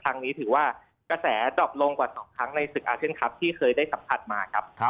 ครั้งนี้ถือว่ากระแสจบลงกว่า๒ครั้งในศึกอาเซียนคลับที่เคยได้สัมผัสมาครับ